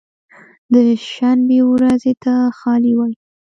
د شنبې ورځې ته خالي وایی